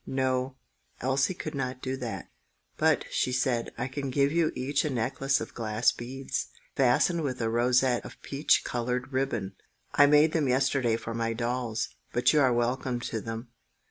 No, Elsie could not do that. "But," she said, "I can give you each a necklace of glass beads, fastened with a rosette of peach coloured ribbon. I made them yesterday for my dolls, but you are welcome to them."